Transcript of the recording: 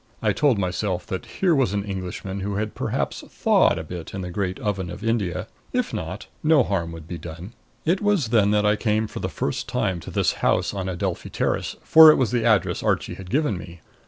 I told myself that here was an Englishman who had perhaps thawed a bit in the great oven of India. If not, no harm would be done. It was then that I came for the first time to this house on Adelphi Terrace, for it was the address Archie had given me.